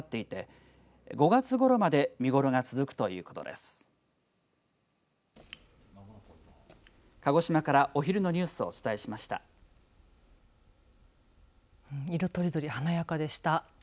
色とりどり華やかでした。